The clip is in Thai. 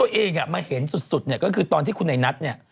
ตัวเองมาเห็นสุดเนี่ยก็คือตอนที่คุณไอ้นัทเนี่ย